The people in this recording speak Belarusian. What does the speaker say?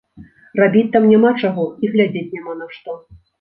Рабіць там няма чаго і глядзець няма на што.